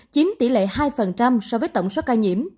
chiếm tỷ lệ hai so với tổng số ca nhiễm